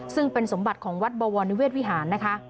ซึ่งเป็นสมบัติของวัดบวรนิเวศวิหารนะคะ